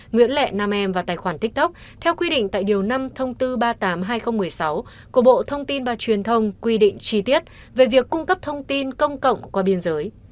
nguyễn lệ nam em vào tài khoản tiktok theo quy định tại điều năm thông tư ba mươi tám hai nghìn một mươi sáu của bộ thông tin và truyền thông quy định chi tiết về việc cung cấp thông tin công cộng qua biên giới